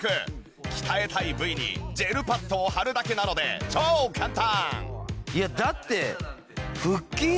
鍛えたい部位にジェルパッドを貼るだけなので超簡単！